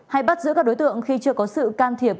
hay bắt giữ các đối tượng khi chưa có sự can thiệp